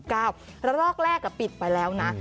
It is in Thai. รอกแรกปิดไปแล้วนะ